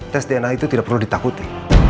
tes dna itu tidak perlu ditakuti